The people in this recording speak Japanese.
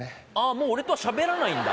もう俺とは喋らないんだ